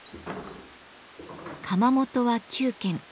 窯元は９軒。